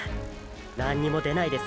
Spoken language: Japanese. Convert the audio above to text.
何にも出ないです